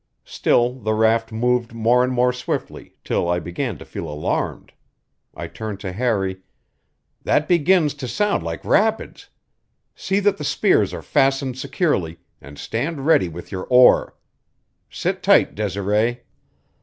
Still the raft moved more and more swiftly, till I began to feel alarmed. I turned to Harry: "That begins to sound like rapids. See that the spears are fastened securely, and stand ready with your oar. Sit tight, Desiree."